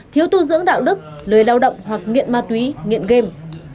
thiếu tu dưỡng đạo đức lười lao động hoặc nghiện ma túy nghiện game